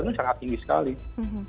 itu adalah harga yang sangat tinggi sekali